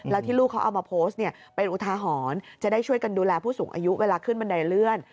แล้วที่ลูกเขาเอามาโพสต์เนี่ยเป็นอุทาหรณ์จะได้ช่วยกันดูแลผู้สูงอายุเวลาขึ้นบันไดเลื่อน